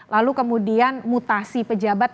lalu kemudian mutasi pejabat